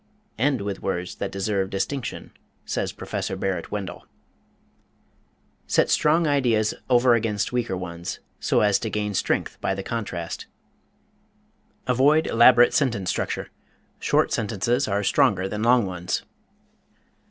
"End with words that deserve distinction," says Prof. Barrett Wendell. Set strong ideas over against weaker ones, so as to gain strength by the contrast. Avoid elaborate sentence structure short sentences are stronger than long ones.